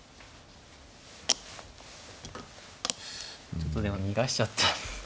ちょっとでも逃がしちゃったんですかね。